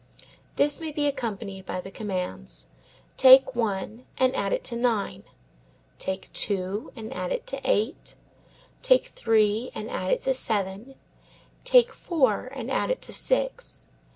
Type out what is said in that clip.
This may be accompanied by the commands, "Take one and add it to nine; take two and add it to eight; take three and add it to seven; take four and add it to six."